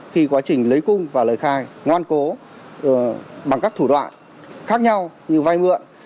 khi quá trình lấy cung và lời khai ngoan cố bằng các thủ đoạn khác nhau như vay mượn